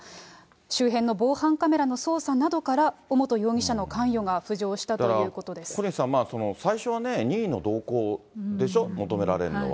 周辺の防犯カメラの捜査などから尾本容疑者の関与が浮上したといだから、小西さん、最初はね、任意の同行でしょ、求められるのは。